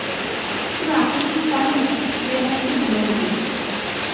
কোনো আকস্মিক কারণে ট্রেন আসিতে বিলম্ব হইতেছে।